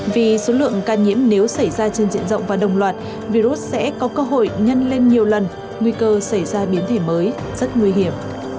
vì số lượng ca nhiễm nếu xảy ra trên diện rộng và đồng loạt virus sẽ có cơ hội nhân lên nhiều lần nguy cơ xảy ra biến thể mới rất nguy hiểm